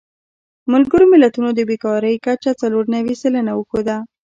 ملګرو ملتونو د بېکارۍ کچه څلور نوي سلنه وښوده.